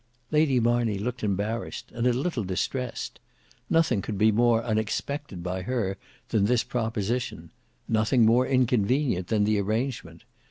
Lady Marney looked embarrassed, and a little distressed. Nothing could be more unexpected by her than this proposition; nothing more inconvenient than the arrangement.